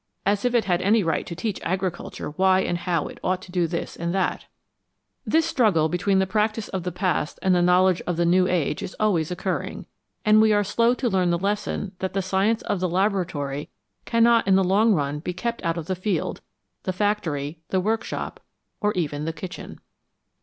As if it had any right to teach Agriculture why and how it ought to do this and that ! This struggle between the 215 CHEMISTRY AND AGRICULTURE practice of the past and the knowledge of the new age is always recurring, and we are slow to learn the lesson that the science of the laboratory cannot in the long run be kept out of the field, the factory, the workshop, or even the kitchen.